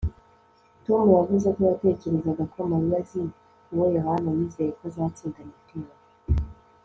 tom yavuze ko yatekerezaga ko mariya azi uwo yohana yizeye ko azatsinda amatora